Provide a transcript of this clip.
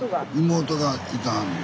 妹がいてはんの。